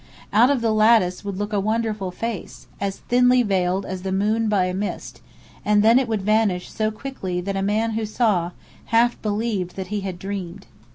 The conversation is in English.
Out of the lattice would look a wonderful face, as thinly veiled as the moon by a mist, and then it would vanish so quickly that a man who saw, half believed that he had dreamed.